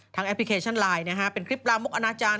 แอปพลิเคชันไลน์นะฮะเป็นคลิปลามกอนาจารย์